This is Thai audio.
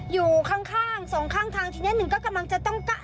อยู่ข้างสองข้างทางทีนี้หนึ่งก็กำลังจะต้องกะ